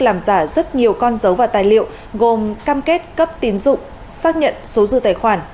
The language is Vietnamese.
làm giả rất nhiều con dấu và tài liệu gồm cam kết cấp tín dụng xác nhận số dư tài khoản